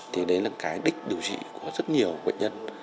thì đấy là cái đích điều trị của rất nhiều bệnh nhân